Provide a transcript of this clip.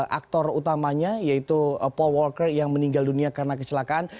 aktor utamanya yaitu paul worker yang meninggal dunia karena kecelakaan